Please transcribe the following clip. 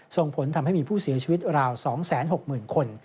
ส่งผลทำให้มีผู้เสียชีวิตราว๒๖๐๐๐คน